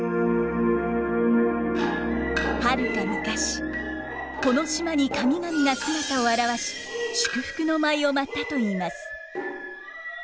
はるか昔この島に神々が姿を現し祝福の舞を舞ったといいます。